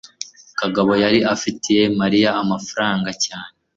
kagabo yari afitiwe mariya amafaranga cyane